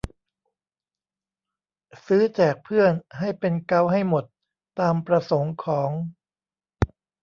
ซื้อแจกเพื่อน ให้เป็นเก๊าท์ให้หมด ตามประสงค์ของ